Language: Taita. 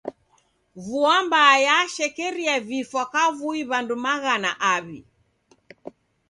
Vua mbaa yashekerie vifwa kavui w'andu maghana aw'i.